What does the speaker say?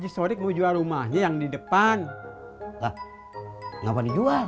sini ya bang harun combo